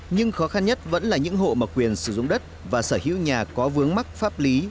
nhưng khó khăn nhất vẫn là những hộ mà quyền sử dụng đất và sở hữu nhà có vướng mắc pháp lý